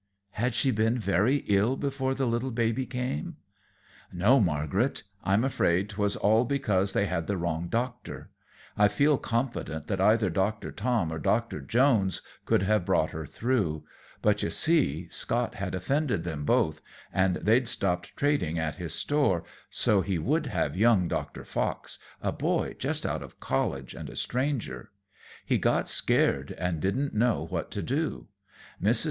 "Had she been very ill before the little baby came?" "No, Margaret; I'm afraid 't was all because they had the wrong doctor. I feel confident that either Doctor Tom or Doctor Jones could have brought her through. But, you see, Scott had offended them both, and they'd stopped trading at his store, so he would have young Doctor Fox, a boy just out of college and a stranger. He got scared and didn't know what to do. Mrs.